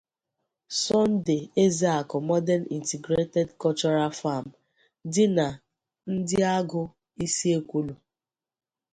'Sunday Ezeaku Modern Integrated Agricultural Farm' dị na Ndiagụ-Isiekwulu.